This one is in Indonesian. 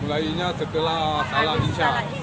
mulainya setelah salah isya